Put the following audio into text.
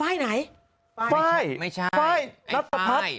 เอ้าเหรอ